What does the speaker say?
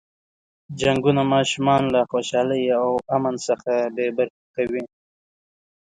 جنګونه ماشومان له خوشحالۍ او امن څخه بې برخې کوي.